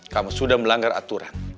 kamu sudah melanggar aturan